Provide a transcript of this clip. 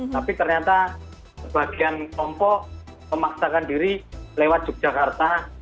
tapi ternyata sebagian kelompok memaksakan diri lewat yogyakarta